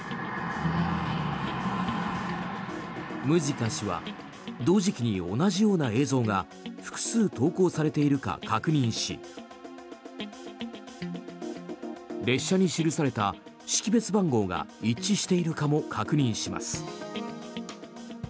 ムズィカ氏は同時期に同じような映像が複数投稿されているか確認し列車に記された識別番号が一致しているかも確認します。